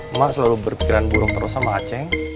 emak selalu berpikiran burung terus sama aceh